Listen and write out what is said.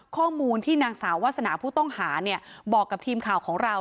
ข้อมูลที่นางสาววาสนาผู้ต้องหาเนี่ยบอกกับทีมข่าวของเรา